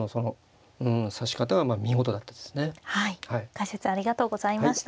解説ありがとうございました。